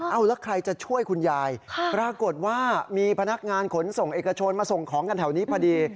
เอาแล้วใครจะช่วยคุณยายปรากฏว่ามีพนักงานขนส่งเอกชนมาส่งของกันแถวนี้พอดี